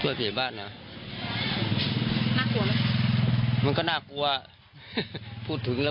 แต่พอยิ่งรู้ว่าคนทำเป็นนี้